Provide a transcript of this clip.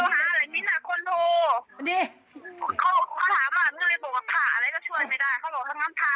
เขาถามอ่ะว่าพระอะไรก็ช่วยไม่ได้เขาบอกทางน้ำพา